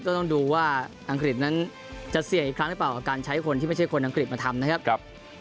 ต้องดูว่าอังกฤษนั้นจะเสี่ยงอีกครั้งหรือเปล่ากับการใช้คนที่ไม่ใช่คนอังกฤษมาทำนะครับ